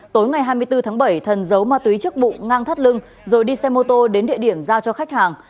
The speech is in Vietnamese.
tối ngày hai mươi bốn tháng bảy thần giấu ma túy trước bụng ngang thắt lưng rồi đi xe mô tô đến địa điểm giao cho khách hàng